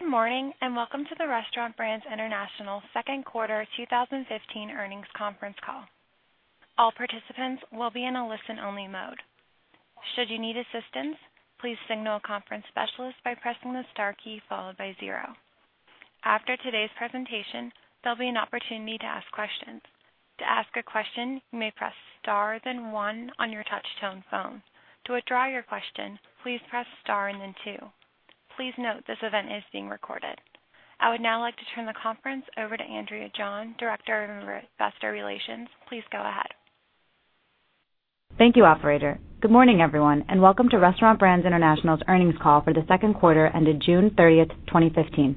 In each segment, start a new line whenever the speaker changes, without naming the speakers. Good morning, and welcome to the Restaurant Brands International second quarter 2015 earnings conference call. All participants will be in a listen-only mode. Should you need assistance, please signal a conference specialist by pressing the star key followed by zero. After today's presentation, there'll be an opportunity to ask questions. To ask a question, you may press star, then one on your touch-tone phone. To withdraw your question, please press star and then two. Please note this event is being recorded. I would now like to turn the conference over to Andrea John, Director of Investor Relations. Please go ahead.
Thank you, operator. Good morning, everyone, and welcome to Restaurant Brands International's earnings call for the second quarter ended June 30th, 2015.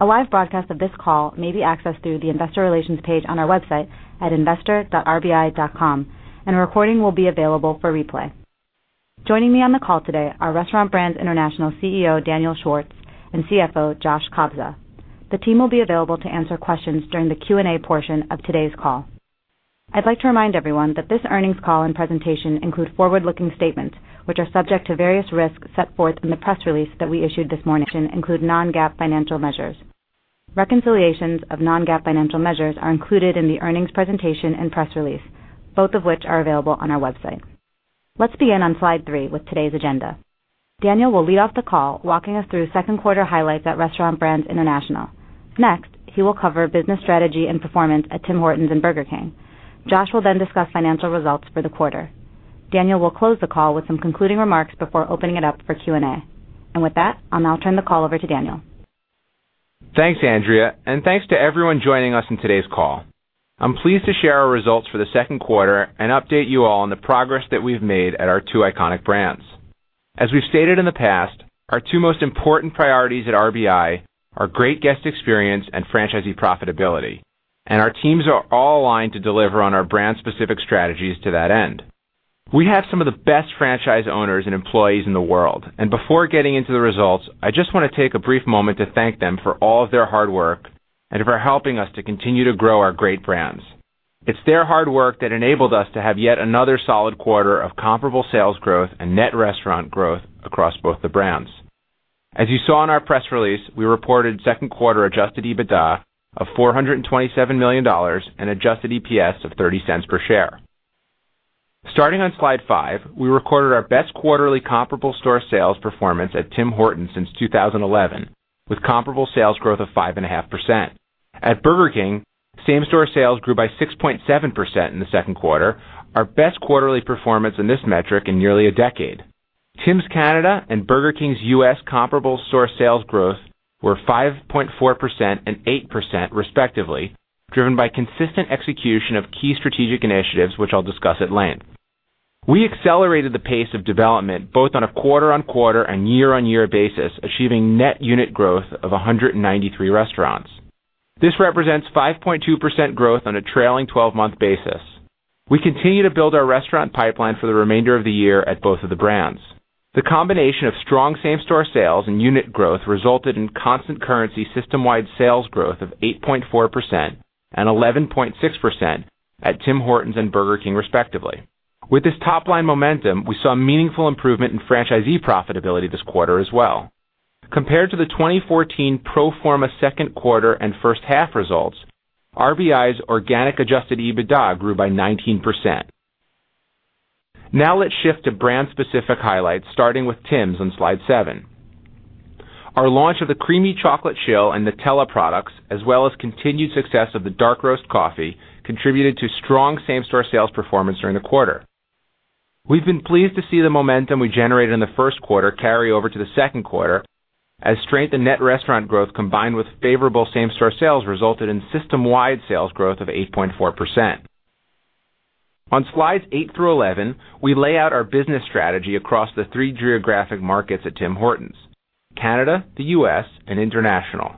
A live broadcast of this call may be accessed through the investor relations page on our website at investor.rbi.com, and a recording will be available for replay. Joining me on the call today are Restaurant Brands International CEO Daniel Schwartz and CFO Josh Cobza. The team will be available to answer questions during the Q&A portion of today's call. I'd like to remind everyone that this earnings call and presentation include forward-looking statements, which are subject to various risks set forth in the press release that we issued this morning include non-GAAP financial measures. Reconciliations of non-GAAP financial measures are included in the earnings presentation and press release, both of which are available on our website. Let's begin on slide three with today's agenda. Daniel will lead off the call, walking us through second quarter highlights at Restaurant Brands International. Next, he will cover business strategy and performance at Tim Hortons and Burger King. Josh will then discuss financial results for the quarter. Daniel will close the call with some concluding remarks before opening it up for Q&A. With that, I'll now turn the call over to Daniel.
Thanks, Andrea, and thanks to everyone joining us on today's call. I'm pleased to share our results for the second quarter and update you all on the progress that we've made at our two iconic brands. As we've stated in the past, our two most important priorities at RBI are great guest experience and franchisee profitability, and our teams are all aligned to deliver on our brand-specific strategies to that end. We have some of the best franchise owners and employees in the world, and before getting into the results, I just want to take a brief moment to thank them for all of their hard work and for helping us to continue to grow our great brands. It's their hard work that enabled us to have yet another solid quarter of comparable sales growth and net restaurant growth across both the brands. As you saw in our press release, we reported second quarter adjusted EBITDA of 427 million dollars and adjusted EPS of 0.30 per share. Starting on slide five, we recorded our best quarterly comparable store sales performance at Tim Hortons since 2011, with comparable sales growth of 5.5%. At Burger King, same-store sales grew by 6.7% in the second quarter, our best quarterly performance in this metric in nearly a decade. Tim's Canada and Burger King's U.S. comparable store sales growth were 5.4% and 8% respectively, driven by consistent execution of key strategic initiatives, which I'll discuss at length. We accelerated the pace of development both on a quarter-on-quarter and year-on-year basis, achieving net unit growth of 193 restaurants. This represents 5.2% growth on a trailing 12-month basis. We continue to build our restaurant pipeline for the remainder of the year at both of the brands. The combination of strong same-store sales and unit growth resulted in constant currency system-wide sales growth of 8.4% and 11.6% at Tim Hortons and Burger King, respectively. With this top-line momentum, we saw meaningful improvement in franchisee profitability this quarter as well. Compared to the 2014 pro forma second quarter and first half results, RBI's organic adjusted EBITDA grew by 19%. Let's shift to brand-specific highlights, starting with Tim's on Slide seven. Our launch of the Creamy Chocolate Chill and Nutella products, as well as continued success of the Dark Roast Coffee, contributed to strong same-store sales performance during the quarter. We've been pleased to see the momentum we generated in the first quarter carry over to the second quarter as strength in net restaurant growth combined with favorable same-store sales resulted in system-wide sales growth of 8.4%. On slides eight through 11, we lay out our business strategy across the three geographic markets at Tim Hortons: Canada, the U.S., and International.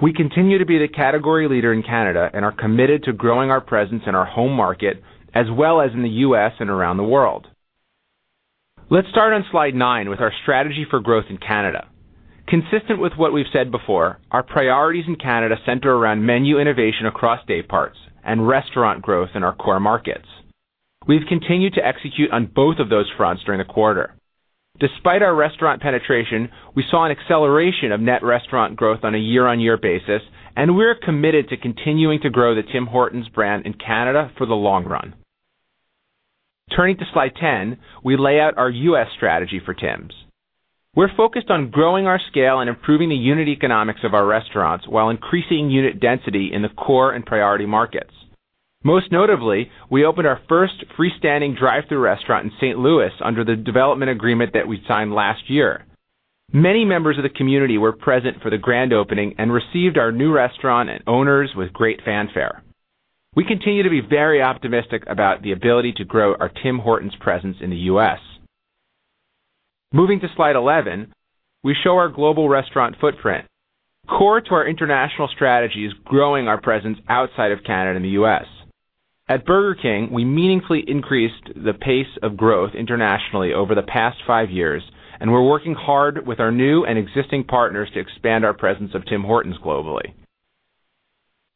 We continue to be the category leader in Canada and are committed to growing our presence in our home market as well as in the U.S. and around the world. Let's start on Slide nine with our strategy for growth in Canada. Consistent with what we've said before, our priorities in Canada center around menu innovation across day parts and restaurant growth in our core markets. We've continued to execute on both of those fronts during the quarter. Despite our restaurant penetration, we saw an acceleration of net restaurant growth on a year-on-year basis, and we're committed to continuing to grow the Tim Hortons brand in Canada for the long run. Turning to Slide 10, we lay out our U.S. strategy for Tim's. We're focused on growing our scale and improving the unit economics of our restaurants while increasing unit density in the core and priority markets. Most notably, we opened our first freestanding drive-thru restaurant in St. Louis under the development agreement that we signed last year. Many members of the community were present for the grand opening and received our new restaurant and owners with great fanfare. We continue to be very optimistic about the ability to grow our Tim Hortons presence in the U.S. Moving to Slide 11, we show our global restaurant footprint. Core to our international strategy is growing our presence outside of Canada and the U.S. At Burger King, we meaningfully increased the pace of growth internationally over the past five years, and we're working hard with our new and existing partners to expand our presence of Tim Hortons globally.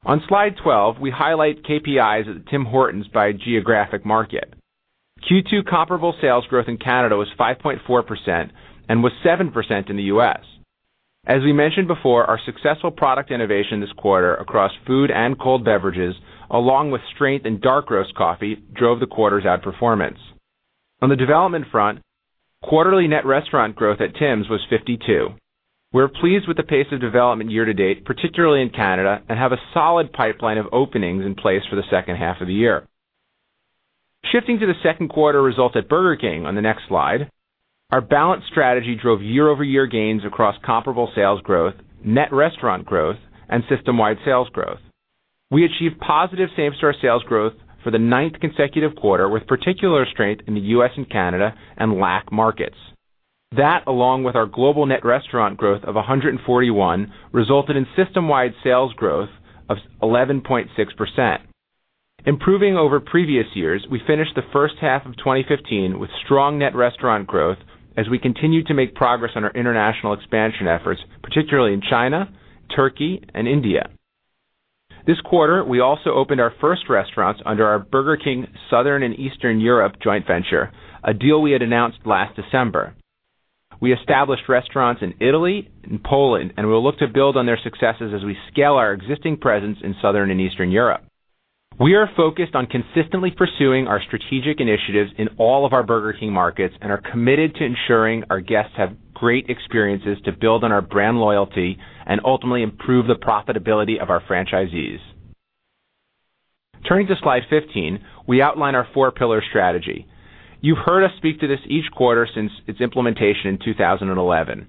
On slide 12, we highlight KPIs at Tim Hortons by geographic market. Q2 comparable sales growth in Canada was 5.4% and was 7% in the U.S. As we mentioned before, our successful product innovation this quarter across food and cold beverages, along with strength in Dark Roast Coffee, drove the quarter's outperformance. On the development front, quarterly net restaurant growth at Tims was 52. We're pleased with the pace of development year-to-date, particularly in Canada, and have a solid pipeline of openings in place for the second half of the year. Shifting to the second quarter results at Burger King on the next slide, our balanced strategy drove year-over-year gains across comparable sales growth, net restaurant growth, and system-wide sales growth. We achieved positive same-store sales growth for the ninth consecutive quarter, with particular strength in the U.S. and Canada and LAC markets. Along with our global net restaurant growth of 141, resulted in system-wide sales growth of 11.6%. Improving over previous years, we finished the first half of 2015 with strong net restaurant growth as we continue to make progress on our international expansion efforts, particularly in China, Turkey, and India. This quarter, we also opened our first restaurants under our Burger King Southern and Eastern Europe joint venture, a deal we had announced last December. We established restaurants in Italy and Poland, and we'll look to build on their successes as we scale our existing presence in Southern and Eastern Europe. We are focused on consistently pursuing our strategic initiatives in all of our Burger King markets and are committed to ensuring our guests have great experiences to build on our brand loyalty and ultimately improve the profitability of our franchisees. Turning to slide 15, we outline our four pillar strategy. You've heard us speak to this each quarter since its implementation in 2011.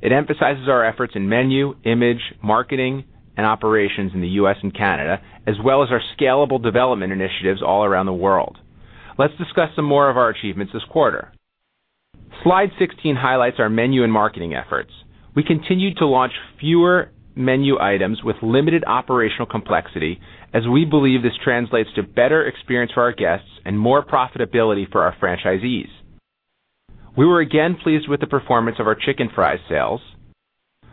It emphasizes our efforts in menu, image, marketing, and operations in the U.S. and Canada, as well as our scalable development initiatives all around the world. Let's discuss some more of our achievements this quarter. Slide 16 highlights our menu and marketing efforts. We continued to launch fewer menu items with limited operational complexity as we believe this translates to better experience for our guests and more profitability for our franchisees. We were again pleased with the performance of our Chicken Fries sales.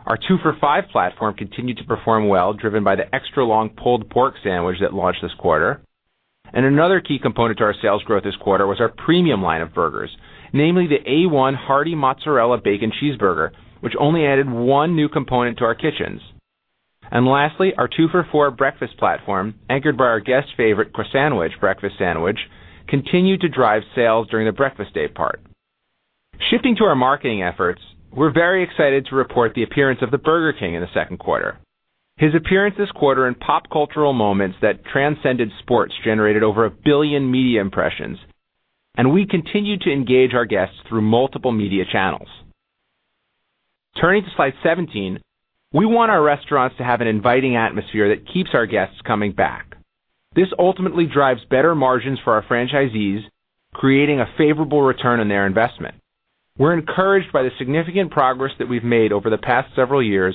Our CAD 2 for five platform continued to perform well, driven by the Extra Long Pulled Pork Sandwich that launched this quarter. Another key component to our sales growth this quarter was our premium line of burgers, namely the A.1. Hearty Mozzarella Bacon Cheeseburger, which only added one new component to our kitchens. Lastly, our CAD 2 for four breakfast platform, anchored by our guest favorite Croissan'wich breakfast sandwich, continued to drive sales during the breakfast daypart. Shifting to our marketing efforts, we're very excited to report the appearance of the Burger King in the second quarter. His appearance this quarter in pop cultural moments that transcended sports generated over 1 billion media impressions, and we continue to engage our guests through multiple media channels. Turning to slide 17, we want our restaurants to have an inviting atmosphere that keeps our guests coming back. This ultimately drives better margins for our franchisees, creating a favorable return on their investment. We're encouraged by the significant progress that we've made over the past several years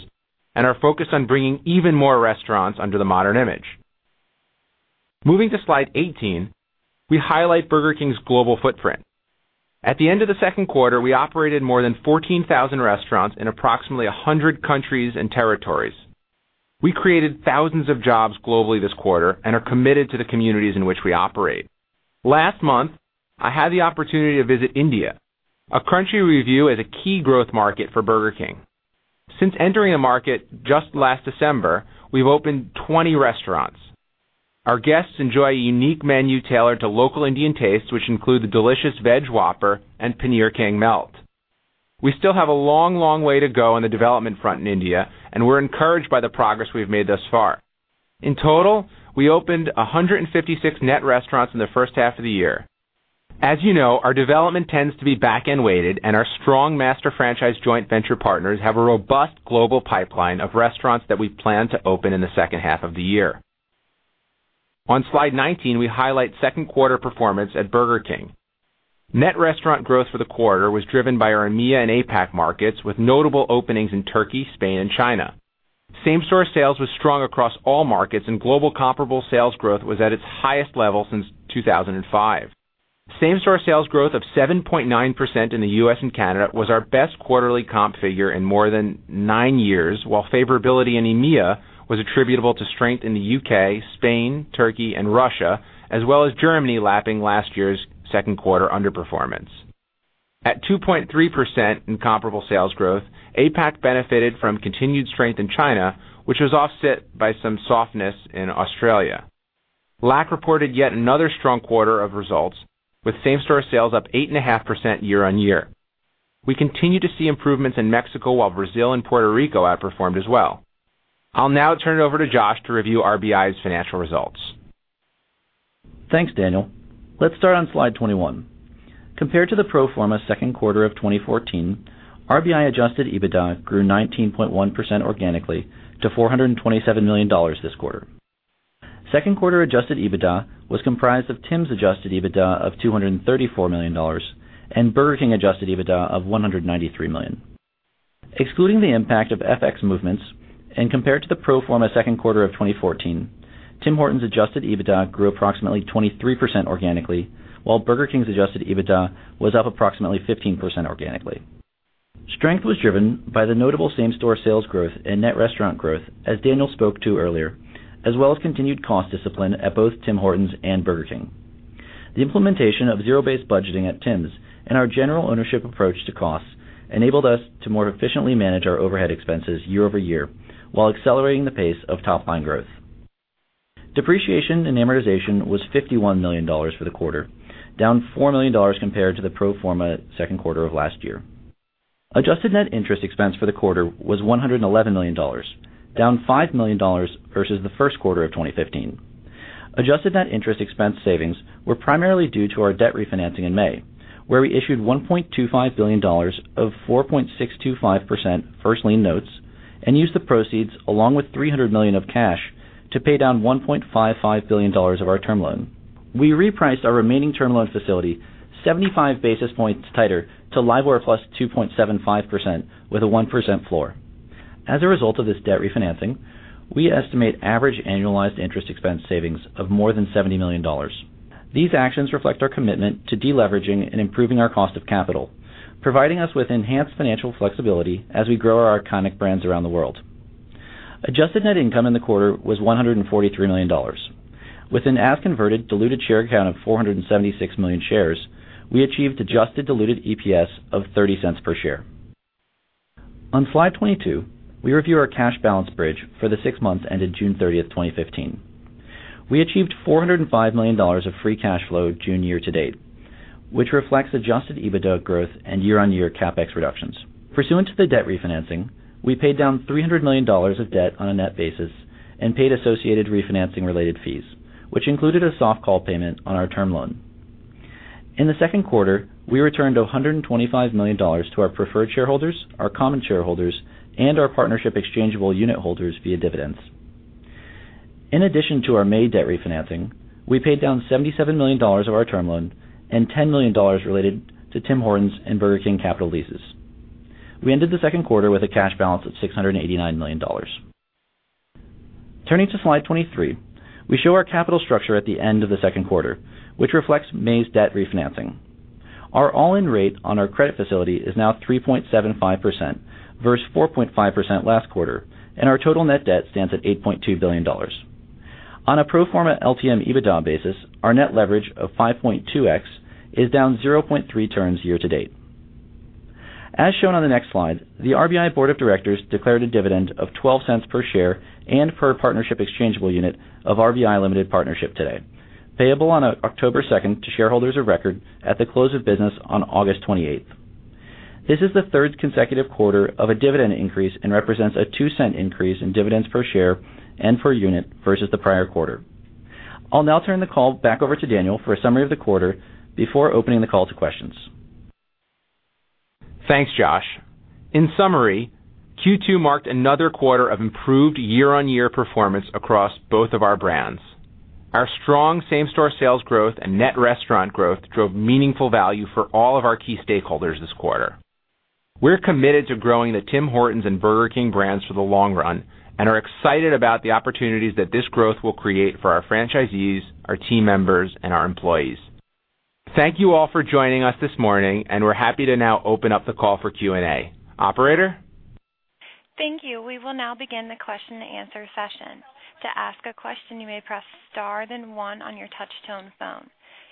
and are focused on bringing even more restaurants under the modern image. Moving to slide 18, we highlight Burger King's global footprint. At the end of the second quarter, we operated more than 14,000 restaurants in approximately 100 countries and territories. We created thousands of jobs globally this quarter and are committed to the communities in which we operate. Last month, I had the opportunity to visit India, a country we view as a key growth market for Burger King. Since entering the market just last December, we've opened 20 restaurants. Our guests enjoy a unique menu tailored to local Indian tastes, which include the delicious Veg Whopper and Paneer King Melt. We still have a long, long way to go on the development front in India, and we're encouraged by the progress we've made thus far. In total, we opened 156 net restaurants in the first half of the year. As you know, our development tends to be back-end weighted, and our strong master franchise joint venture partners have a robust global pipeline of restaurants that we plan to open in the second half of the year. On slide 19, we highlight second quarter performance at Burger King. Net restaurant growth for the quarter was driven by our EMEA and APAC markets, with notable openings in Turkey, Spain, and China. Same-store sales was strong across all markets, and global comparable sales growth was at its highest level since 2005. Same-store sales growth of 7.9% in the U.S. and Canada was our best quarterly comp figure in more than nine years, while favorability in EMEA was attributable to strength in the U.K., Spain, Turkey, and Russia, as well as Germany lapping last year's second quarter underperformance. At 2.3% in comparable sales growth, APAC benefited from continued strength in China, which was offset by some softness in Australia. LAC reported yet another strong quarter of results, with same-store sales up 8.5% year-over-year. We continue to see improvements in Mexico, while Brazil and Puerto Rico outperformed as well. I'll now turn it over to Josh to review RBI's financial results.
Thanks, Daniel. Let's start on slide 21. Compared to the pro forma second quarter of 2014, RBI adjusted EBITDA grew 19.1% organically to 427 million dollars this quarter. Second quarter adjusted EBITDA was comprised of Tim's adjusted EBITDA of 234 million dollars and Burger King adjusted EBITDA of 193 million. Excluding the impact of FX movements and compared to the pro forma second quarter of 2014, Tim Hortons adjusted EBITDA grew approximately 23% organically, while Burger King's adjusted EBITDA was up approximately 15% organically. Strength was driven by the notable same-store sales growth and net restaurant growth, as Daniel spoke to earlier, as well as continued cost discipline at both Tim Hortons and Burger King. The implementation of zero-based budgeting at Tim's and our general ownership approach to costs enabled us to more efficiently manage our overhead expenses year-over-year while accelerating the pace of top-line growth. Depreciation and amortization was 51 million dollars for the quarter, down 4 million dollars compared to the pro forma second quarter of last year. Adjusted net interest expense for the quarter was 111 million dollars, down 5 million dollars versus the first quarter of 2015. Adjusted net interest expense savings were primarily due to our debt refinancing in May, where we issued $1.25 billion of 4.625% first lien notes and used the proceeds along with 300 million of cash to pay down $1.55 billion of our term loan. We repriced our remaining term loan facility 75 basis points tighter to LIBOR plus 2.75% with a 1% floor. As a result of this debt refinancing, we estimate average annualized interest expense savings of more than 70 million dollars. These actions reflect our commitment to deleveraging and improving our cost of capital, providing us with enhanced financial flexibility as we grow our iconic brands around the world. Adjusted net income in the quarter was 143 million dollars. With an as-converted diluted share count of 476 million shares, we achieved adjusted diluted EPS of 0.30 per share. On slide 22, we review our cash balance bridge for the six months ended June 30, 2015. We achieved 405 million dollars of free cash flow June year-to-date, which reflects adjusted EBITDA growth and year-on-year CapEx reductions. Pursuant to the debt refinancing, we paid down 300 million dollars of debt on a net basis and paid associated refinancing related fees, which included a soft call payment on our term loan. In the second quarter, we returned 125 million dollars to our preferred shareholders, our common shareholders, and our partnership exchangeable unit holders via dividends. In addition to our May debt refinancing, we paid down 77 million dollars of our term loan and 10 million dollars related to Tim Hortons and Burger King capital leases. We ended the second quarter with a cash balance of 689 million dollars. Turning to slide 23, we show our capital structure at the end of the second quarter, which reflects May's debt refinancing. Our all-in rate on our credit facility is now 3.75% versus 4.5% last quarter, and our total net debt stands at 8.2 billion dollars. On a pro forma LTM EBITDA basis, our net leverage of 5.2x is down 0.3 turns year-to-date. As shown on the next slide, the RBI board of directors declared a dividend of 0.12 per share and per partnership exchangeable unit of RBI Limited Partnership today, payable on October 2nd to shareholders of record at the close of business on August 28th. This is the third consecutive quarter of a dividend increase and represents a 0.02 increase in dividends per share and per unit versus the prior quarter. I will now turn the call back over to Daniel for a summary of the quarter before opening the call to questions.
Thanks, Josh. In summary, Q2 marked another quarter of improved year-on-year performance across both of our brands. Our strong same-store sales growth and net restaurant growth drove meaningful value for all of our key stakeholders this quarter. We're committed to growing the Tim Hortons and Burger King brands for the long run and are excited about the opportunities that this growth will create for our franchisees, our team members, and our employees. Thank you all for joining us this morning, and we're happy to now open up the call for Q&A. Operator?
Thank you. We will now begin the question and answer session. To ask a question, you may press star then one on your touch-tone phone.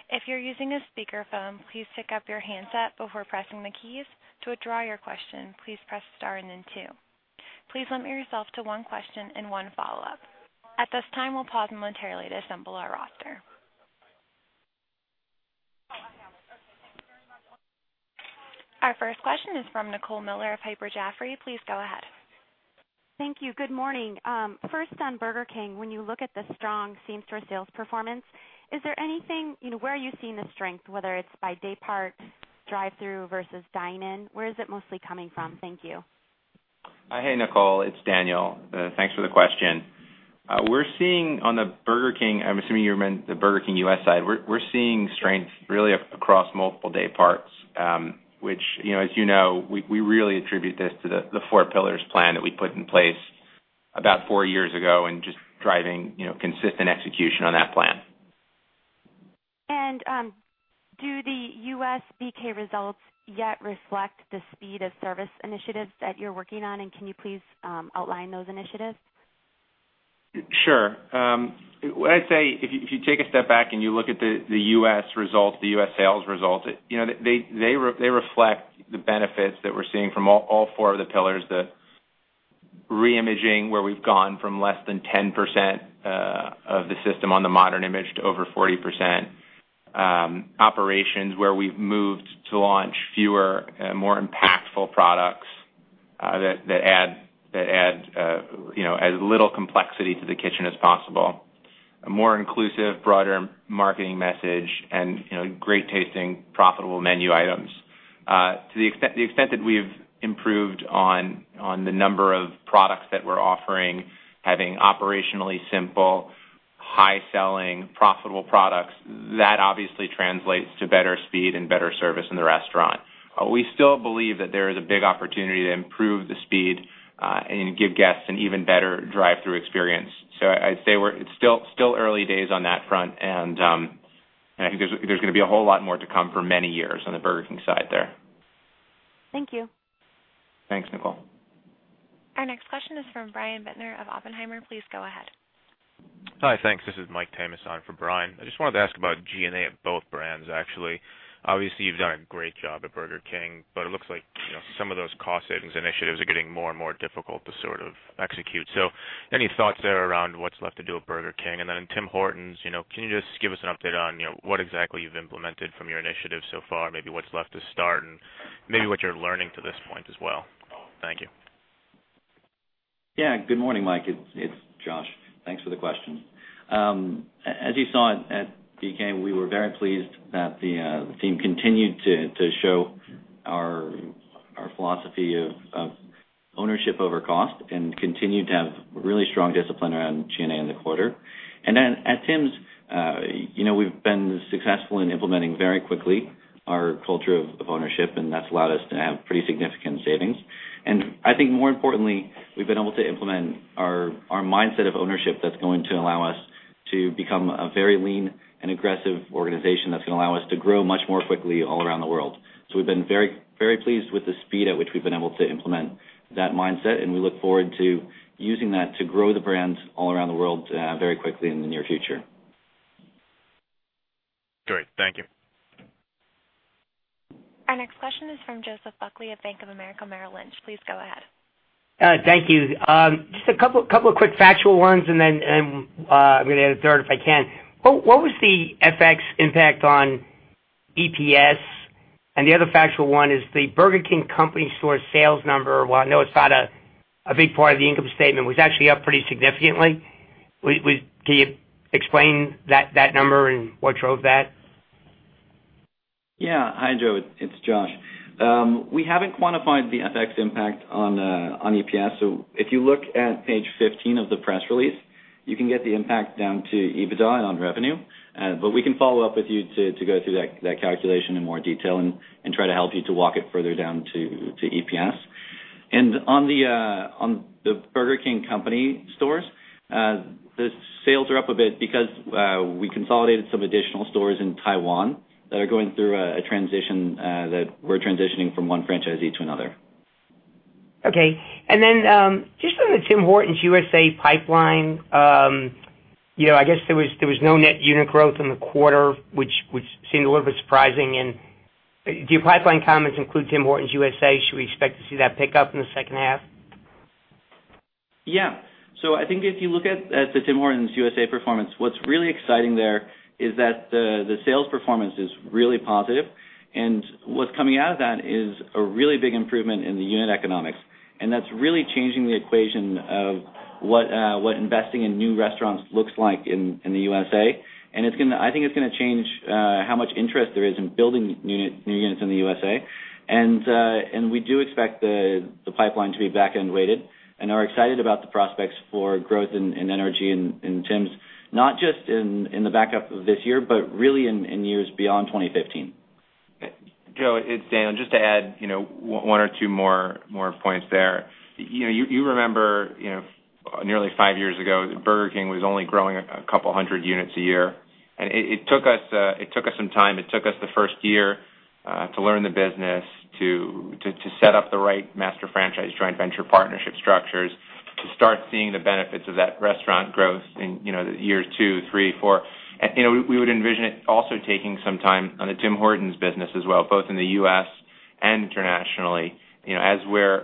If you're using a speakerphone, please pick up your handset before pressing the keys. To withdraw your question, please press star and then two. Please limit yourself to one question and one follow-up. At this time, we'll pause momentarily to assemble our roster.
Oh, I have it. Okay, thank you very much.
Our first question is from Nicole Miller of Piper Jaffray. Please go ahead.
Thank you. Good morning. First on Burger King, when you look at the strong same-store sales performance, where are you seeing the strength, whether it's by day part, drive-through versus dine-in, where is it mostly coming from? Thank you.
Hey, Nicole, it's Daniel. Thanks for the question. We're seeing on the Burger King, I'm assuming you meant the Burger King U.S. side. We're seeing strength really across multiple day parts, which, as you know, we really attribute this to the four pillars plan that we put in place about four years ago and just driving consistent execution on that plan.
Do the U.S. BK results yet reflect the speed of service initiatives that you're working on? Can you please outline those initiatives?
Sure. I'd say if you take a step back and you look at the U.S. results, the U.S. sales results, they reflect the benefits that we're seeing from all four of the pillars. The re-imaging where we've gone from less than 10% of the system on the modern image to over 40%, operations where we've moved to launch fewer, more impactful products that add as little complexity to the kitchen as possible, a more inclusive, broader marketing message and great tasting, profitable menu items. To the extent that we've improved on the number of products that we're offering, having operationally simple, high-selling, profitable products, that obviously translates to better speed and better service in the restaurant. We still believe that there is a big opportunity to improve the speed and give guests an even better drive-through experience. I'd say we're Early days on that front, and I think there's going to be a whole lot more to come for many years on the Burger King side there.
Thank you.
Thanks, Nicole.
Our next question is from Brian Bittner of Oppenheimer. Please go ahead.
Hi, thanks. This is Michael Tamas on for Brian Bittner. I just wanted to ask about G&A of both brands, actually. Obviously, you've done a great job at Burger King, but it looks like some of those cost savings initiatives are getting more and more difficult to sort of execute. Any thoughts there around what's left to do at Burger King? Tim Hortons, can you just give us an update on what exactly you've implemented from your initiatives so far, maybe what's left to start, and maybe what you're learning to this point as well? Thank you.
Good morning, Mike. It's Josh. Thanks for the question. As you saw at BK, we were very pleased that the team continued to show our philosophy of ownership over cost and continued to have really strong discipline around G&A in the quarter. At Tim's, we've been successful in implementing very quickly our culture of ownership, and that's allowed us to have pretty significant savings. I think more importantly, we've been able to implement our mindset of ownership that's going to allow us to become a very lean and aggressive organization that's going to allow us to grow much more quickly all around the world. We've been very pleased with the speed at which we've been able to implement that mindset, and we look forward to using that to grow the brands all around the world very quickly in the near future.
Great. Thank you.
Our next question is from Joseph Buckley of Bank of America Merrill Lynch. Please go ahead.
Thank you. Just a couple of quick factual ones, and then I'm going to add a third, if I can. What was the FX impact on EPS? The other factual one is the Burger King company store sales number, while I know it's not a big part of the income statement, was actually up pretty significantly. Can you explain that number and what drove that?
Hi, Joe. It's Josh. We haven't quantified the FX impact on EPS. If you look at page 15 of the press release, you can get the impact down to EBITDA and on revenue. We can follow up with you to go through that calculation in more detail and try to help you to walk it further down to EPS. On the Burger King company stores, the sales are up a bit because we consolidated some additional stores in Taiwan that are going through a transition that we're transitioning from one franchisee to another.
Just on the Tim Hortons USA pipeline, I guess there was no net unit growth in the quarter, which seemed a little bit surprising. Do your pipeline comments include Tim Hortons USA? Should we expect to see that pick up in the second half?
I think if you look at the Tim Hortons USA performance, what's really exciting there is that the sales performance is really positive, and what's coming out of that is a really big improvement in the unit economics, and that's really changing the equation of what investing in new restaurants looks like in the USA. I think it's going to change how much interest there is in building new units in the USA. We do expect the pipeline to be back-end weighted and are excited about the prospects for growth and energy in Tim's, not just in the back half of this year, but really in years beyond 2015. Joe, it's Dan. Just to add one or two more points there. You remember, nearly five years ago, Burger King was only growing a couple hundred units a year. It took us some time. It took us the first year to learn the business, to set up the right master franchise joint venture partnership structures, to start seeing the benefits of that restaurant growth in years two, three, four. We would envision it also taking some time on the Tim Hortons business as well, both in the U.S. and internationally, as we're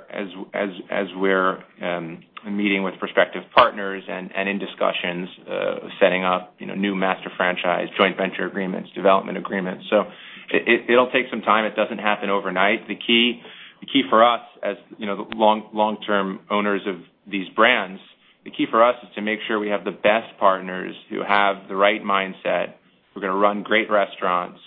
meeting with prospective partners and in discussions setting up new master franchise joint venture agreements, development agreements. It'll take some time. It doesn't happen overnight. The key for us as the long-term owners of these brands, the key for us is to make sure we have the best partners who have the right mindset, who are going to run great restaurants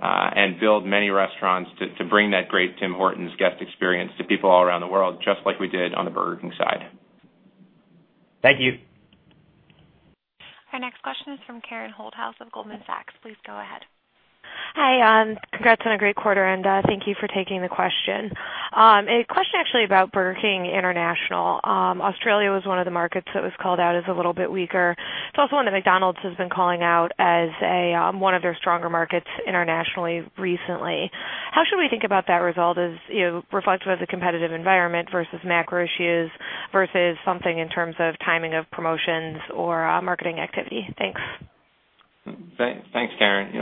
and build many restaurants to bring that great Tim Hortons guest experience to people all around the world, just like we did on the Burger King side.
Thank you.
Our next question is from Karen Holthouse of Goldman Sachs. Please go ahead.
Hi. Congrats on a great quarter, and thank you for taking the question. A question actually about Burger King International. Australia was one of the markets that was called out as a little bit weaker. It's also one that McDonald's has been calling out as one of their stronger markets internationally recently. How should we think about that result as reflective of the competitive environment versus macro issues versus something in terms of timing of promotions or marketing activity? Thanks.
Thanks, Karen.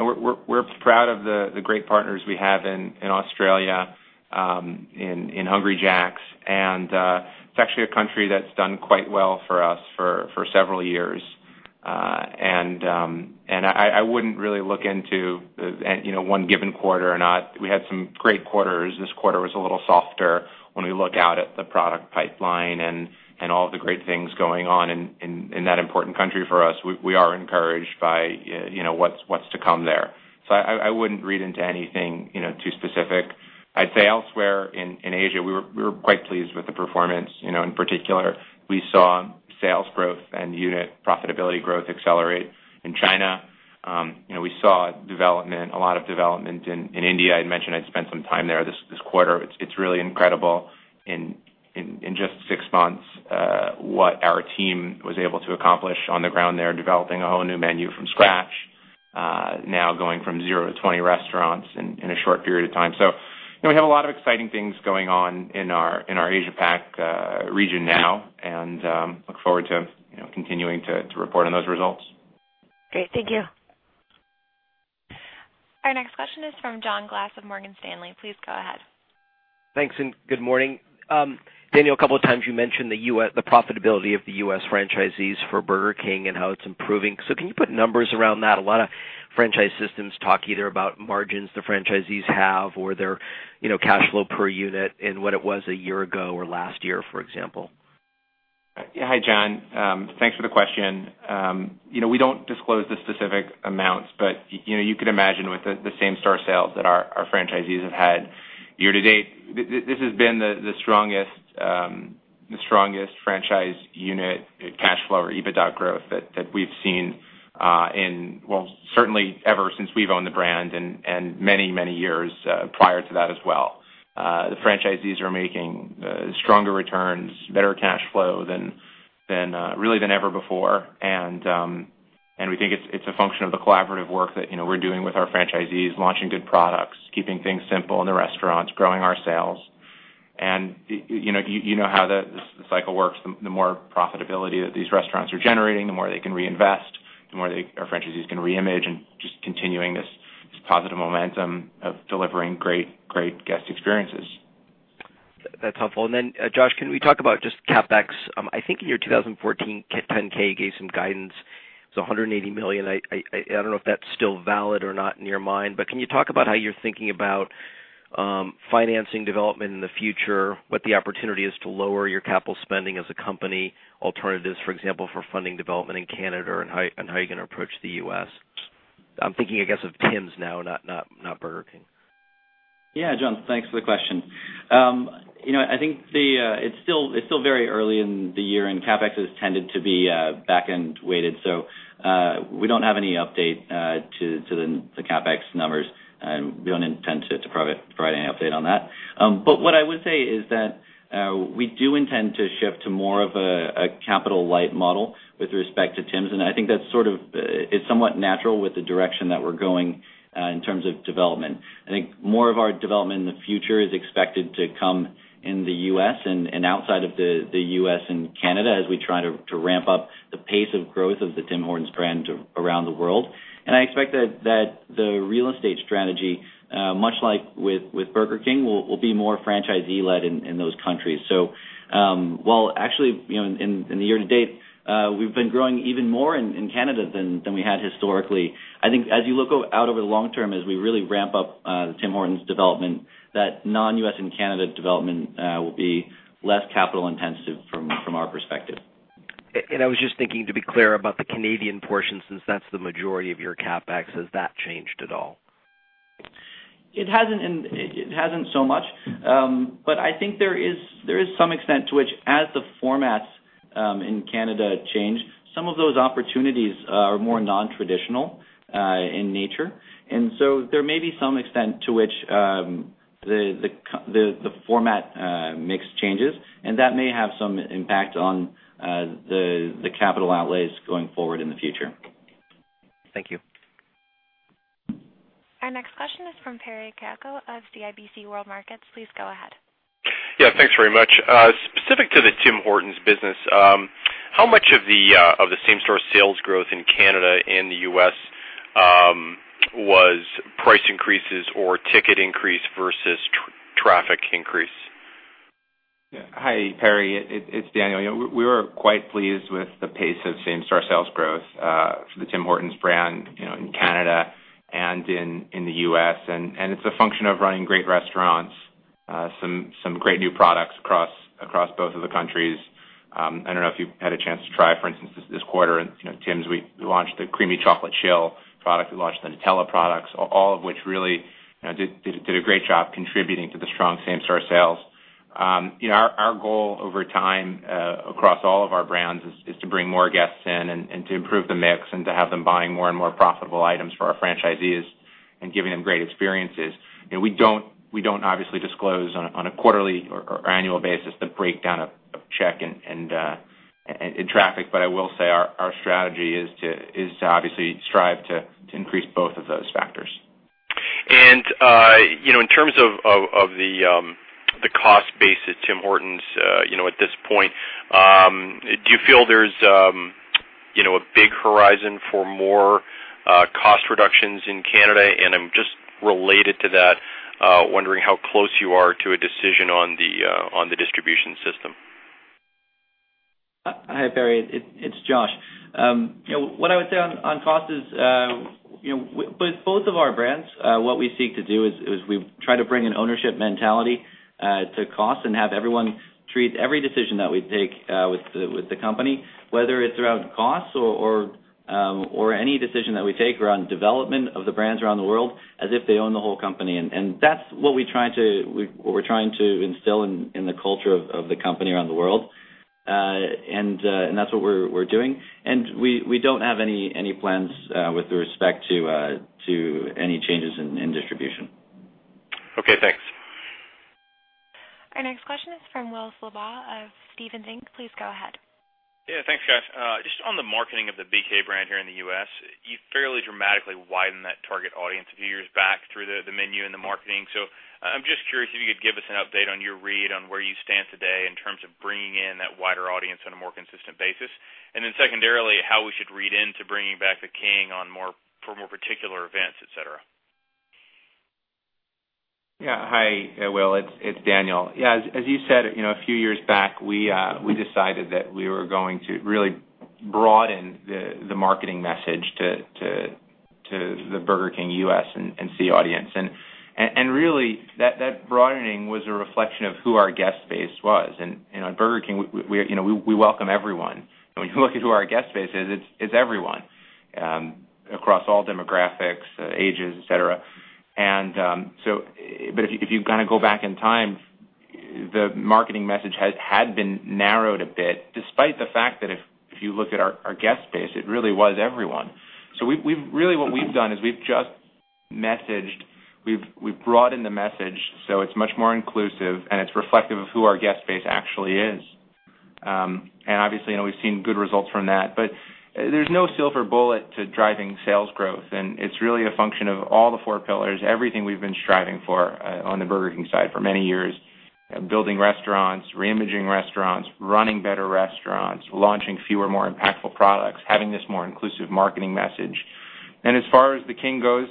We're proud of the great partners we have in Australia in Hungry Jack's, it's actually a country that's done quite well for us for several years. I wouldn't really look into one given quarter or not. We had some great quarters. This quarter was a little softer. When we look out at the product pipeline and all of the great things going on in that important country for us, we are encouraged by what's to come there. I wouldn't read into anything too specific. I'd say elsewhere in Asia, we were quite pleased with the performance. In particular, we saw sales growth and unit profitability growth accelerate in China
We saw a lot of development in India. I had mentioned I'd spent some time there this quarter. It's really incredible in just six months, what our team was able to accomplish on the ground there, developing a whole new menu from scratch, now going from zero to 20 restaurants in a short period of time. We have a lot of exciting things going on in our Asia-Pac region now, and look forward to continuing to report on those results.
Great. Thank you.
Our next question is from John Glass of Morgan Stanley. Please go ahead.
Thanks, good morning. Daniel, a couple of times you mentioned the profitability of the U.S. franchisees for Burger King and how it's improving. Can you put numbers around that? A lot of franchise systems talk either about margins the franchisees have or their cash flow per unit and what it was a year ago or last year, for example.
Hi, John. Thanks for the question. We don't disclose the specific amounts, but you could imagine with the same-store sales that our franchisees have had year to date, this has been the strongest franchise unit cash flow or EBITDA growth that we've seen in, well, certainly ever since we've owned the brand and many years prior to that as well. The franchisees are making stronger returns, better cash flow really than ever before. We think it's a function of the collaborative work that we're doing with our franchisees, launching good products, keeping things simple in the restaurants, growing our sales. You know how the cycle works. The more profitability that these restaurants are generating, the more they can reinvest, the more our franchisees can reimage and just continuing this positive momentum of delivering great guest experiences.
That's helpful. Josh, can we talk about just CapEx? I think in your 2014 10-K, you gave some guidance. It was 180 million. I don't know if that's still valid or not in your mind, but can you talk about how you're thinking about financing development in the future, what the opportunity is to lower your capital spending as a company, alternatives, for example, for funding development in Canada and how you're going to approach the U.S.? I'm thinking, I guess of Tim's now, not Burger King.
Yeah, John, thanks for the question. I think it's still very early in the year, and CapEx has tended to be backend-weighted. We don't have any update to the CapEx numbers, and we don't intend to provide any update on that. What I would say is that we do intend to shift to more of a capital-light model with respect to Tim's, and I think that's somewhat natural with the direction that we're going in terms of development. I think more of our development in the future is expected to come in the U.S. and outside of the U.S. and Canada as we try to ramp up the pace of growth of the Tim Hortons brand around the world. I expect that the real estate strategy, much like with Burger King, will be more franchisee-led in those countries. While actually in the year-to-date, we've been growing even more in Canada than we had historically. I think as you look out over the long term, as we really ramp up the Tim Hortons development, that non-U.S. and Canada development will be less capital-intensive from our perspective.
I was just thinking, to be clear about the Canadian portion, since that's the majority of your CapEx, has that changed at all?
It hasn't so much. I think there is some extent to which, as the formats in Canada change, some of those opportunities are more non-traditional in nature. There may be some extent to which the format mix changes, and that may have some impact on the capital outlays going forward in the future.
Thank you.
Our next question is from Perry Caicco of CIBC World Markets. Please go ahead.
Yeah. Thanks very much. Specific to the Tim Hortons business, how much of the same-store sales growth in Canada and the U.S. was price increases or ticket increase versus traffic increase?
Hi, Perry, it's Daniel. We were quite pleased with the pace of same-store sales growth for the Tim Hortons brand in Canada and in the U.S. It's a function of running great restaurants, some great new products across both of the countries. I don't know if you've had a chance to try, for instance, this quarter in Tim's, we launched the Creamy Chocolate Chill product, we launched the Nutella products, all of which really did a great job contributing to the strong same-store sales. Our goal over time across all of our brands is to bring more guests in and to improve the mix and to have them buying more and more profitable items for our franchisees and giving them great experiences. We don't obviously disclose on a quarterly or annual basis the breakdown of check and traffic. I will say our strategy is to obviously strive to increase both of those factors.
In terms of the cost base at Tim Hortons at this point, do you feel there's a big horizon for more cost reductions in Canada? Just related to that, wondering how close you are to a decision on the distribution system.
Hi, Perry. It's Josh. What I would say on cost is, with both of our brands, what we seek to do is we try to bring an ownership mentality to cost and have everyone treat every decision that we take with the company, whether it's around costs or any decision that we take around development of the brands around the world as if they own the whole company. That's what we're trying to instill in the culture of the company around the world. That's what we're doing. We don't have any plans with respect to any changes in distribution.
Okay, thanks.
Our next question is from Will Slabaugh of Stephens Inc.. Please go ahead.
Thanks, guys. Just on the marketing of the BK brand here in the U.S., you fairly dramatically widened that target audience a few years back through the menu and the marketing. I'm just curious if you could give us an update on your read on where you stand today in terms of bringing in that wider audience on a more consistent basis. Secondarily, how we should read into bringing back the King for more particular events, et cetera.
Hi, Will. It's Daniel. As you said, a few years back, we decided that we were going to really broaden the marketing message to the Burger King U.S. and Canada audience. Really, that broadening was a reflection of who our guest base was. On Burger King, we welcome everyone. When you look at who our guest base is, it's everyone across all demographics, ages, et cetera. If you go back in time, the marketing message had been narrowed a bit, despite the fact that if you look at our guest base, it really was everyone. Really what we've done is we've broadened the message, so it's much more inclusive, and it's reflective of who our guest base actually is. Obviously, we've seen good results from that. There's no silver bullet to driving sales growth, and it's really a function of all the four pillars, everything we've been striving for on the Burger King side for many years, building restaurants, re-imaging restaurants, running better restaurants, launching fewer, more impactful products, having this more inclusive marketing message. As far as the King goes,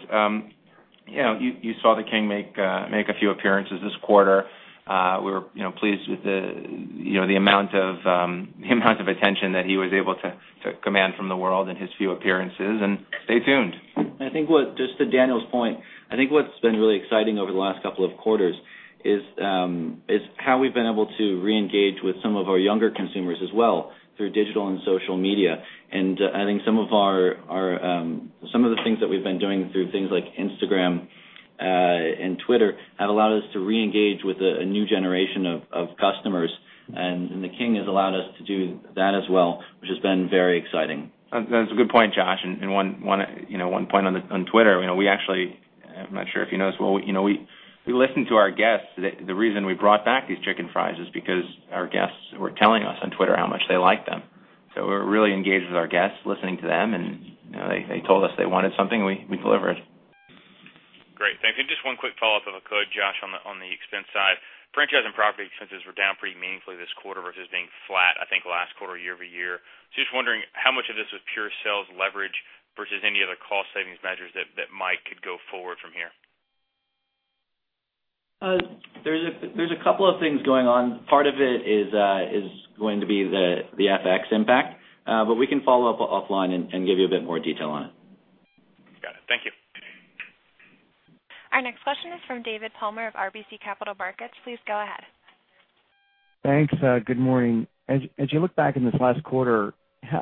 you saw the King make a few appearances this quarter. We were pleased with the amount of attention that he was able to command from the world in his few appearances, and stay tuned.
I think just to Daniel's point, I think what's been really exciting over the last couple of quarters is how we've been able to reengage with some of our younger consumers as well, through digital and social media. I think some of the things that we've been doing through things like Instagram and Twitter have allowed us to reengage with a new generation of customers. The King has allowed us to do that as well, which has been very exciting.
That's a good point, Josh Kobza. One point on Twitter, we actually, I'm not sure if you noticed, we listen to our guests. The reason we brought back these Chicken Fries is because our guests were telling us on Twitter how much they like them. We're really engaged with our guests, listening to them, and they told us they wanted something, and we delivered.
Great. Thank you. Just one quick follow-up, if I could, Josh Kobza, on the expense side. Franchise and property expenses were down pretty meaningfully this quarter versus being flat, I think, last quarter, year-over-year. Just wondering, how much of this was pure sales leverage versus any other cost savings measures that might could go forward from here?
There's a couple of things going on. Part of it is going to be the FX impact. We can follow up offline and give you a bit more detail on it.
Got it. Thank you.
Our next question is from David Palmer of RBC Capital Markets. Please go ahead.
Thanks. Good morning. As you look back in this last quarter,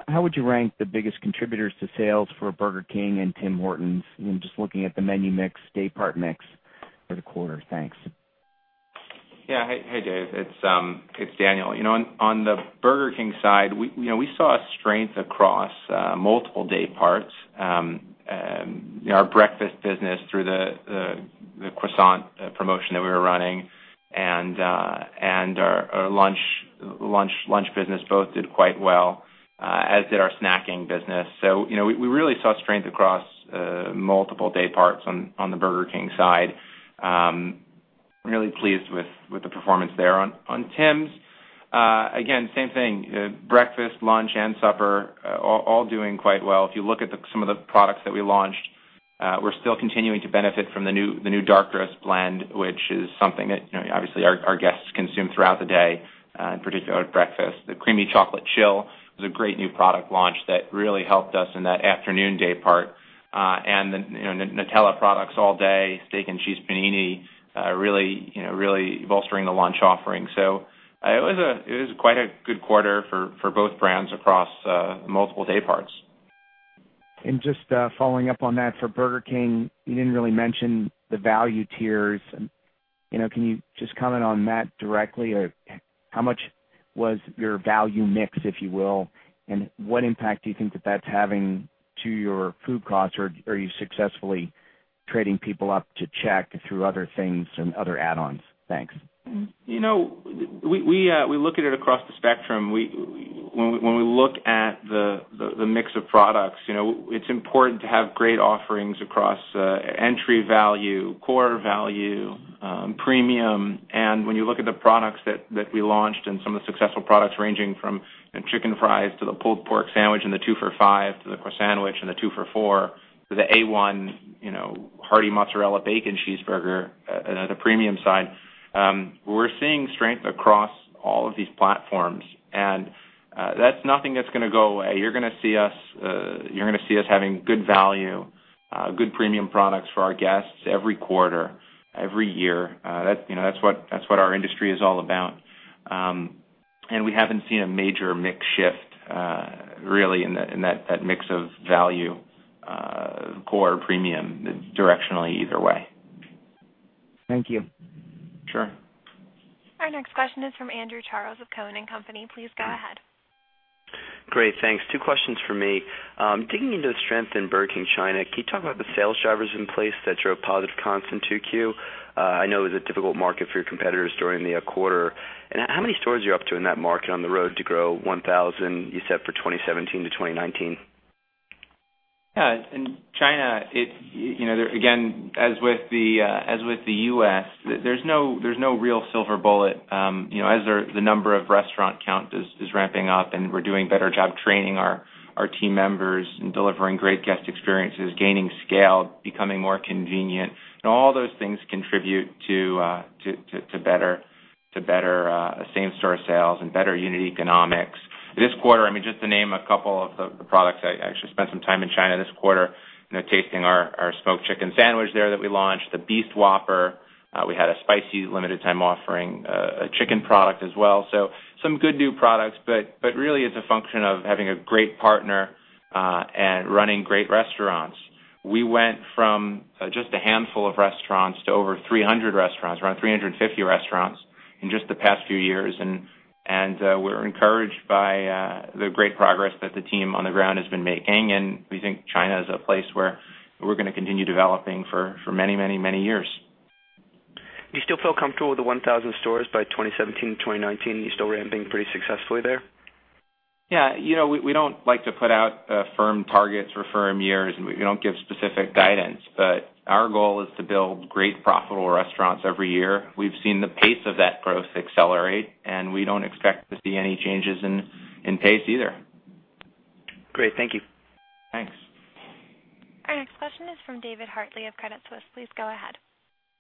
how would you rank the biggest contributors to sales for Burger King and Tim Hortons? Just looking at the menu mix, day part mix for the quarter. Thanks.
Yeah. Hey, Dave, it's Daniel. On the Burger King side, we saw a strength across multiple day parts. Our breakfast business through the croissant promotion that we were running, and our lunch business both did quite well, as did our snacking business. We really saw strength across multiple day parts on the Burger King side. Really pleased with the performance there. On Tim's, again, same thing, breakfast, lunch, and supper, all doing quite well. If you look at some of the products that we launched, we're still continuing to benefit from the new Dark Roast blend, which is something that obviously our guests consume throughout the day, particularly at breakfast. The Creamy Chocolate Chill was a great new product launch that really helped us in that afternoon day part. The Nutella products all day, Steak & Cheese Panini, really bolstering the lunch offering. It was quite a good quarter for both brands across multiple day parts.
Just following up on that for Burger King, you didn't really mention the value tiers. Can you just comment on that directly? How much was your value mix, if you will, and what impact do you think that that's having to your food costs, or are you successfully trading people up to check through other things and other add-ons? Thanks.
We look at it across the spectrum. When we look at the mix of products, it's important to have great offerings across entry value, core value, premium. When you look at the products that we launched and some of the successful products ranging from Chicken Fries to the pulled pork sandwich and the 2 for 5, to the Croissan'wich and the 2 for 4, to the A.1. Hearty Mozzarella Bacon Cheeseburger at the premium side, we're seeing strength across all of these platforms, and that's nothing that's going to go away. You're going to see us having good value, good premium products for our guests every quarter, every year. That's what our industry is all about. We haven't seen a major mix shift, really, in that mix of value, core, premium, directionally either way.
Thank you.
Sure.
Our next question is from Andrew Charles of Cowen and Company. Please go ahead.
Great. Thanks. Two questions for me. Digging into the strength in Burger King China, can you talk about the sales drivers in place that drove positive constant 2Q? I know it was a difficult market for your competitors during the quarter. How many stores are you up to in that market on the road to grow 1,000 you set for 2017 to 2019?
Yeah. In China, again, as with the U.S., there's no real silver bullet. As the number of restaurant count is ramping up and we're doing better job training our team members and delivering great guest experiences, gaining scale, becoming more convenient, and all those things contribute to better same-store sales and better unit economics. This quarter, just to name a couple of the products, I actually spent some time in China this quarter, tasting our smoked chicken sandwich there that we launched, the Meat Beast Whopper. We had a spicy limited time offering, a chicken product as well. Some good new products, but really it's a function of having a great partner and running great restaurants. We went from just a handful of restaurants to over 300 restaurants, around 350 restaurants in just the past few years. We're encouraged by the great progress that the team on the ground has been making, and we think China is a place where we're going to continue developing for many years.
You still feel comfortable with the 1,000 stores by 2017 to 2019? You're still ramping pretty successfully there?
Yeah. We don't like to put out firm targets for firm years, and we don't give specific guidance. Our goal is to build great profitable restaurants every year. We've seen the pace of that growth accelerate, and we don't expect to see any changes in pace either.
Great. Thank you.
Thanks.
Our next question is from David Hartley of Credit Suisse. Please go ahead.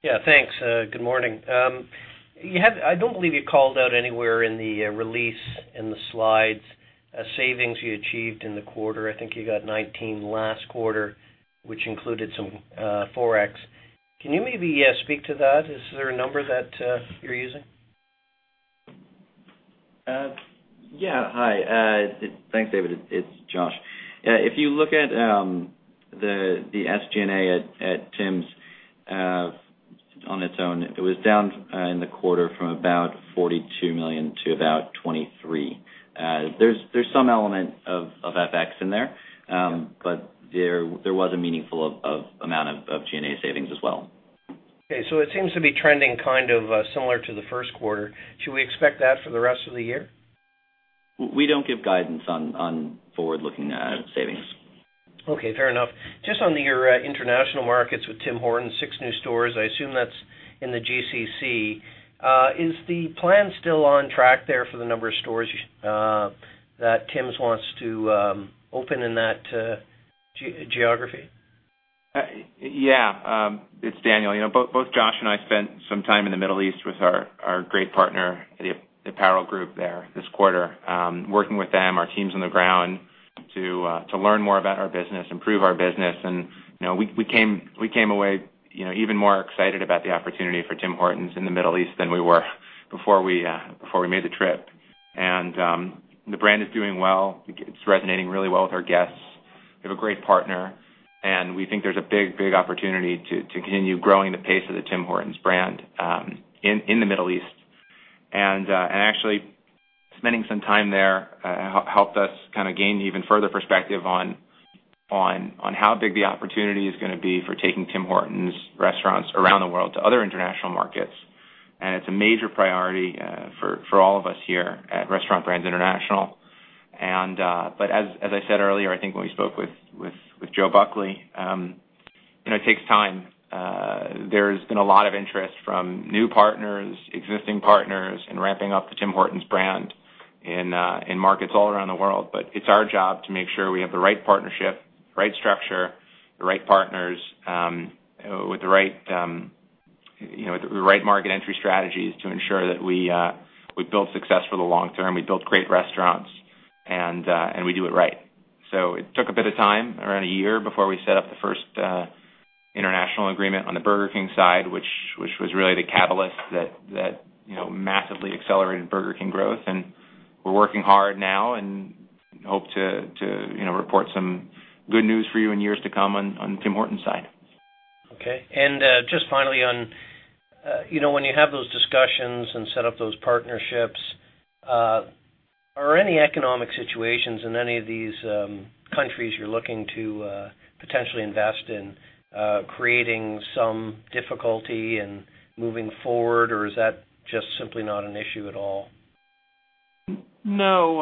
Yeah. Thanks. Good morning. I don't believe you called out anywhere in the release in the slides savings you achieved in the quarter. I think you got 19 last quarter, which included some Forex. Can you maybe speak to that? Is there a number that you're using?
Yeah. Hi. Thanks, David. It's Josh. If you look at the SG&A at Tim's on its own, it was down in the quarter from about 42 million to about 23 million. There's some element of FX in there, but there was a meaningful amount of G&A savings as well.
Okay. It seems to be trending kind of similar to the first quarter. Should we expect that for the rest of the year?
We don't give guidance on forward-looking savings.
Okay. Fair enough. Just on your international markets with Tim Hortons, six new stores, I assume that's in the GCC. Is the plan still on track there for the number of stores that Tim's wants to open in that geography?
Daniel. Both Josh and I spent some time in the Middle East with our great partner, the Apparel Group there this quarter, working with them, our teams on the ground to learn more about our business, improve our business. We came away even more excited about the opportunity for Tim Hortons in the Middle East than we were before we made the trip. The brand is doing well. It is resonating really well with our guests. We have a great partner, and we think there is a big opportunity to continue growing the pace of the Tim Hortons brand in the Middle East. Actually, spending some time there helped us kind of gain even further perspective on how big the opportunity is going to be for taking Tim Hortons restaurants around the world to other international markets. It is a major priority for all of us here at Restaurant Brands International. As I said earlier, I think when we spoke with Joe Buckley, it takes time. There has been a lot of interest from new partners, existing partners, in ramping up the Tim Hortons brand in markets all around the world. It is our job to make sure we have the right partnership, right structure, the right partners with the right market entry strategies to ensure that we build success for the long term, we build great restaurants, and we do it right. It took a bit of time, around a year before we set up the first international agreement on the Burger King side, which was really the catalyst that massively accelerated Burger King growth, and we are working hard now and hope to report some good news for you in years to come on Tim Hortons side.
Okay. Just finally on, when you have those discussions and set up those partnerships, are any economic situations in any of these countries you are looking to potentially invest in creating some difficulty in moving forward or is that just simply not an issue at all?
No.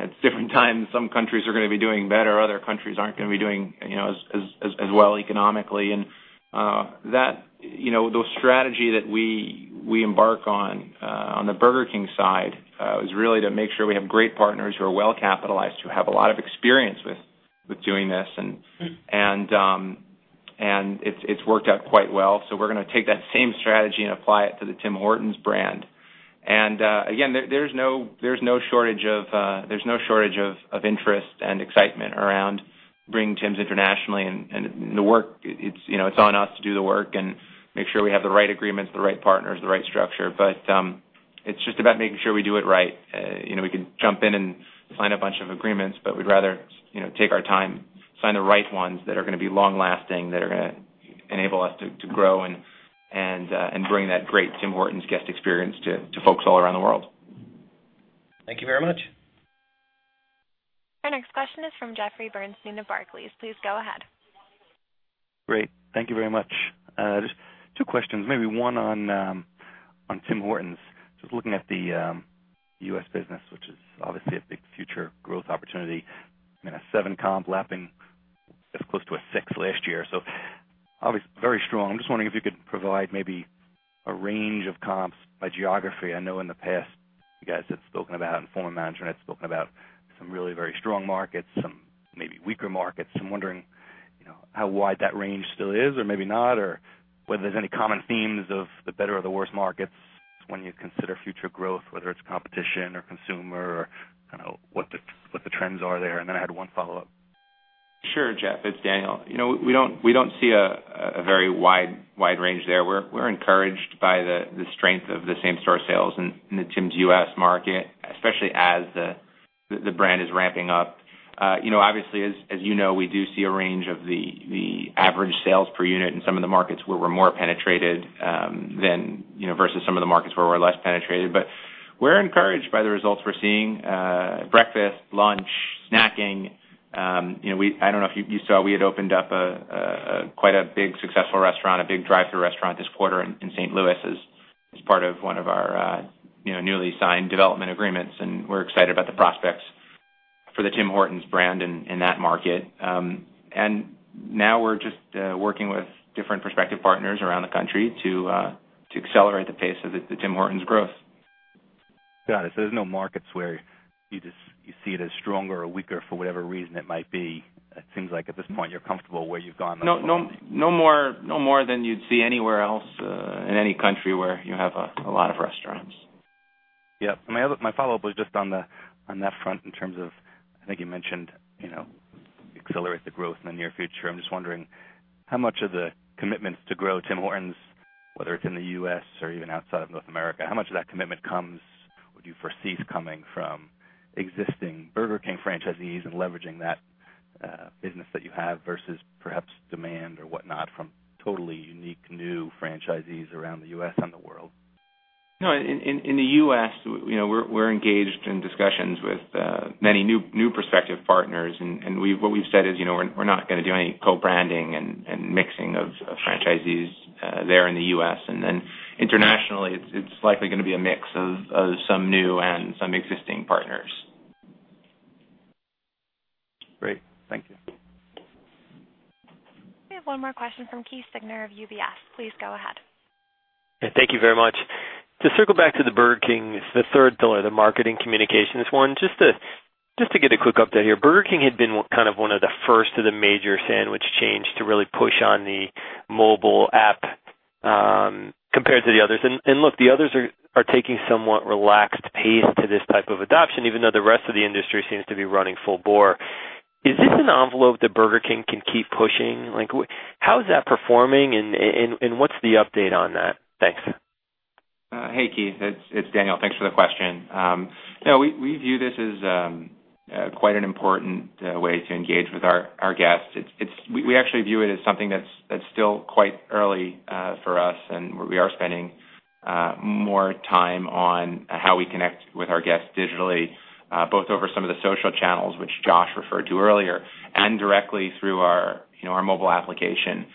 At different times some countries are going to be doing better, other countries aren't going to be doing as well economically. Those strategy that we embark on the Burger King side is really to make sure we have great partners who are well capitalized, who have a lot of experience with doing this and it's worked out quite well. We're going to take that same strategy and apply it to the Tim Hortons brand. Again there's no shortage of interest and excitement around bringing Tim's internationally and it's on us to do the work and make sure we have the right agreements, the right partners, the right structure. It's just about making sure we do it right. We could jump in and sign a bunch of agreements, we'd rather take our time, sign the right ones that are going to be long-lasting, that are going to enable us to grow and bring that great Tim Hortons guest experience to folks all around the world.
Thank you very much.
Our next question is from Jeffrey Bernstein of Barclays. Please go ahead.
Great. Thank you very much. Just two questions, maybe one on Tim Hortons. Just looking at the U.S. business, which is obviously a big future growth opportunity, a 7% comp lapping, that's close to a 6% last year. Obviously, very strong. I'm just wondering if you could provide maybe a range of comps by geography. I know in the past, you guys have spoken about, and former management had spoken about some really very strong markets, some maybe weaker markets. I'm wondering, how wide that range still is, or maybe not, or whether there's any common themes of the better or the worse markets when you consider future growth, whether it's competition or consumer, or kind of what the trends are there. I had one follow-up.
Sure, Jeff, it's Daniel. We don't see a very wide range there. We're encouraged by the strength of the same store sales in the Tims U.S. market, especially as the brand is ramping up. Obviously, as you know, we do see a range of the average sales per unit in some of the markets where we're more penetrated versus some of the markets where we're less penetrated. We're encouraged by the results we're seeing. Breakfast, lunch, snacking. I don't know if you saw, we had opened up quite a big successful restaurant, a big drive-thru restaurant this quarter in St. Louis as part of one of our newly signed development agreements, and we're excited about the prospects for the Tim Hortons brand in that market. Now we're just working with different prospective partners around the country to accelerate the pace of the Tim Hortons growth.
Got it. There's no markets where you see it as stronger or weaker for whatever reason it might be. It seems like at this point you're comfortable where you've gone thus far.
No more than you'd see anywhere else in any country where you have a lot of restaurants.
Yep. My follow-up was just on that front in terms of, I think you mentioned, accelerate the growth in the near future. I'm just wondering how much of the commitments to grow Tim Hortons, whether it's in the U.S. or even outside of North America, how much of that commitment comes, or do you foresee coming from existing Burger King franchisees and leveraging that business that you have versus perhaps demand or whatnot from totally unique new franchisees around the U.S. and the world?
No, in the U.S., we're engaged in discussions with many new prospective partners. What we've said is we're not going to do any co-branding and mixing of franchisees there in the U.S. Internationally, it's likely going to be a mix of some new and some existing partners.
Great. Thank you.
We have one more question from Keith Siegner of UBS. Please go ahead.
Thank you very much. To circle back to the Burger King, the third pillar, the marketing communications one, just to get a quick update here. Burger King had been kind of one of the first of the major sandwich chains to really push on the mobile app compared to the others. Look, the others are taking somewhat relaxed pace to this type of adoption, even though the rest of the industry seems to be running full bore. Is this an envelope that Burger King can keep pushing? How is that performing and what's the update on that? Thanks.
Hey, Keith, it's Daniel. Thanks for the question. We view this as quite an important way to engage with our guests. We actually view it as something that's still quite early for us, and we are spending more time on how we connect with our guests digitally, both over some of the social channels, which Josh referred to earlier, and directly through our mobile application.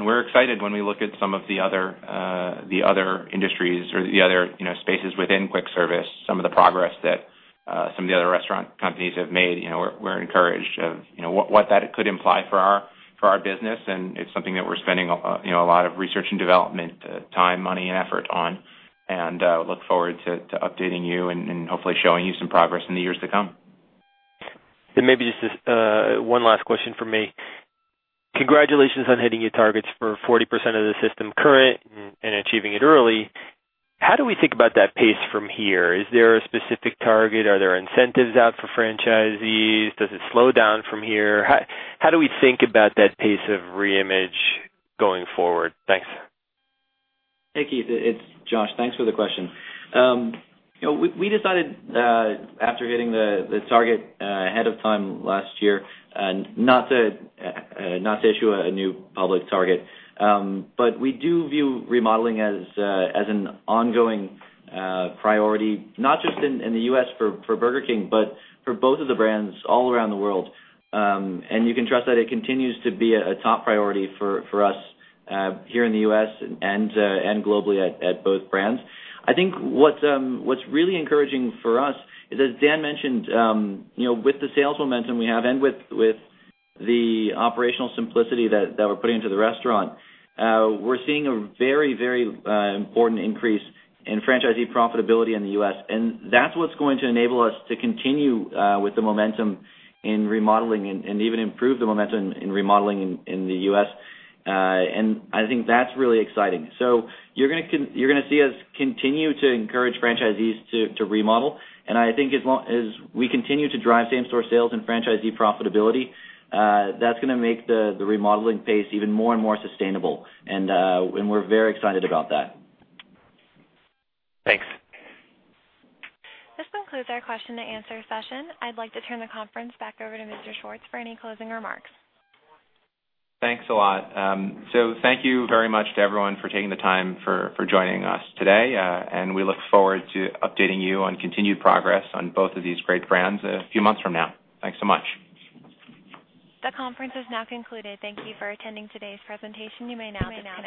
We're excited when we look at some of the other industries or the other spaces within quick service, some of the progress that some of the other restaurant companies have made. We're encouraged of what that could imply for our business, and it's something that we're spending a lot of research and development time, money, and effort on, and look forward to updating you and hopefully showing you some progress in the years to come.
Maybe just one last question from me. Congratulations on hitting your targets for 40% of the system current and achieving it early. How do we think about that pace from here? Is there a specific target? Are there incentives out for franchisees? Does it slow down from here? How do we think about that pace of reimage going forward? Thanks.
Hey, Keith, it's Josh. Thanks for the question. We decided after hitting the target ahead of time last year, not to issue a new public target. We do view remodeling as an ongoing priority, not just in the U.S. for Burger King, but for both of the brands all around the world. You can trust that it continues to be a top priority for us here in the U.S. and globally at both brands. I think what's really encouraging for us is, as Dan mentioned, with the sales momentum we have and with the operational simplicity that we're putting into the restaurant, we're seeing a very important increase in franchisee profitability in the U.S., and that's what's going to enable us to continue with the momentum in remodeling and even improve the momentum in remodeling in the U.S. I think that's really exciting. You're going to see us continue to encourage franchisees to remodel, and I think as we continue to drive same store sales and franchisee profitability, that's going to make the remodeling pace even more and more sustainable, and we're very excited about that.
Thanks.
This concludes our question and answer session. I'd like to turn the conference back over to Mr. Schwartz for any closing remarks.
Thanks a lot. Thank you very much to everyone for taking the time for joining us today, and we look forward to updating you on continued progress on both of these great brands a few months from now. Thanks so much.
The conference is now concluded. Thank you for attending today's presentation. You may now disconnect.